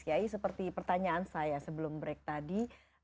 kiai seperti pertanyaan saya sebelum break tadi